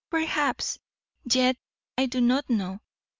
Perhaps. Yet I do not know.